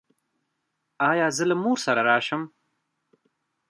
ایا زه له مور سره راشم؟